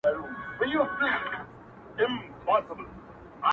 نه وم د رندانو په محفل کي مغان څه ویل!!